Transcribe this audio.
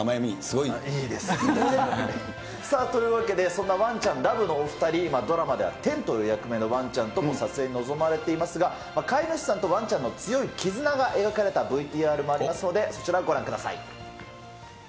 いいですね。というわけで、そんなワンちゃんラブのお２人、今、ドラマではてんという役名のワンちゃんとも撮影に臨まれていますが、飼い主さんとワンちゃんの強い絆が描かれたＶＴＲもありますので、そちらご覧ください。